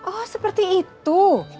oh seperti itu